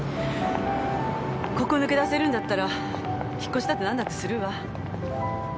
ここ抜け出せるんだったら引っ越しだって何だってするわ。